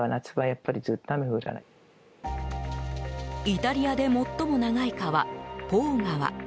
イタリアで最も長い川ポー川。